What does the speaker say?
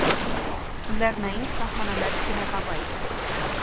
Լեռնային, սահմանամերջ բնակավայր է։